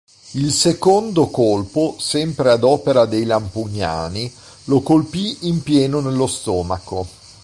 Il secondo colpo, sempre ad opera del Lampugnani, lo colpì in pieno nello stomaco.